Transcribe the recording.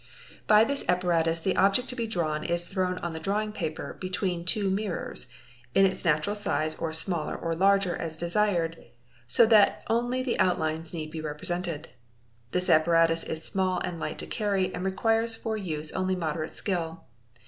By this apparatus the object to be drawn is thrown on the drawing paper between two mirrors, in its Prete ee) ot natural size or smaller or larger as desired, so that only the outlines need be represented. This apparatus is small and light to carry, and requires for use only moderate skill.